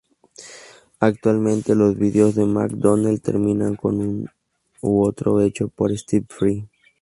Actualmente, los videos de McDonnell terminan con un outro hecho por Stephen Fry.